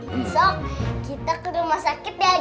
misal kita ke rumah sakit ya